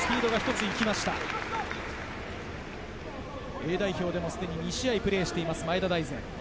Ａ代表でも２試合プレーしている前田大然。